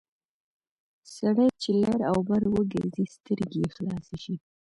سړی چې لر او بر وګرځي سترګې یې خلاصې شي...